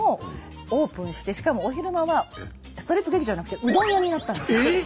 しかもお昼間はストリップ劇場じゃなくてうどん屋になったんですよ。